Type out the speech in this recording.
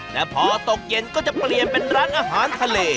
แต่พอตกเย็นก็จะเปลี่ยนเป็นร้านอาหารทะเล